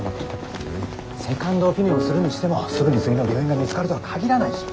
セカンドオピニオンするにしてもすぐに次の病院が見つかるとは限らないし。